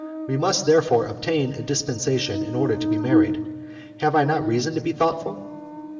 We must therefore obtain a dispensation in order to be married. Have I not reason to be thoughtful?"